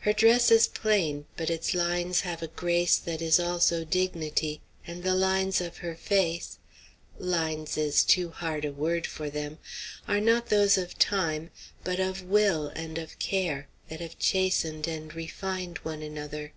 Her dress is plain, but its lines have a grace that is also dignity; and the lines of her face lines is too hard a word for them are not those of time, but of will and of care, that have chastened and refined one another.